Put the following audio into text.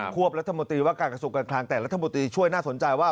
วบรัฐมนตรีว่าการกระทรวงการคลังแต่รัฐมนตรีช่วยน่าสนใจว่า